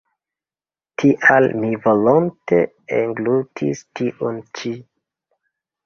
Tial mi volonte englutis tiun ĉi.